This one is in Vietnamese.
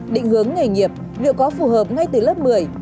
định hướng nghề nghiệp liệu có phù hợp ngay từ lớp một mươi